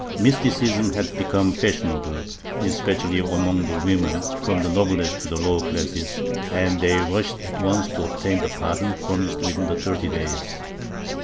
Mysticism had become fashionable, especially among the women, from the noblest to the lower classes, and they rushed at once to obtain the pardon promised within the thirty days.